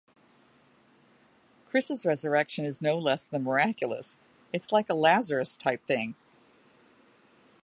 Cris' resurrection is no less than miraculous -- it's like a Lazarus-type thing.